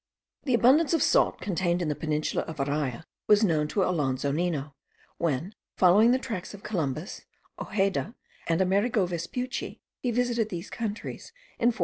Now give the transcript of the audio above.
The abundance of salt contained in the peninsula of Araya was known to Alonzo Nino, when, following the tracks of Columbus, Ojeda, and Amerigo Vespucci, he visited these countries in 1499.